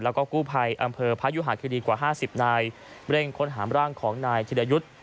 แล้วก็กู้ภัยอำเภอพระยุหาคิดีกว่า๕๐นายเร่งค้นหาร่างของนายธิรยุทธ์